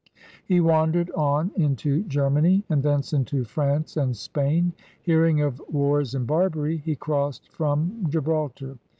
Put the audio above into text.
He wandered on mto Germany and thence into France and Spain. Hearing of wars in Barbary, he crossed from Gibraltar.